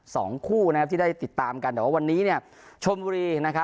สองคู่นะครับที่ได้ติดตามกันแหละวันนี้ชมบุรี